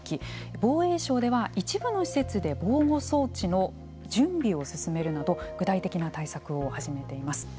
防衛省では一部の施設で防護装置の準備を進めるなど具体的な対策を始めています。